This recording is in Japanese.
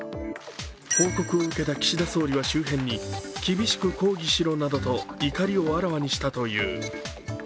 報告を受けた岸田総理は周辺に厳しく抗議しろなどと怒りをあらわにしたという。